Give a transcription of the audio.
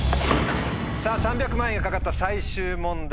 さぁ３００万円が懸かった最終問題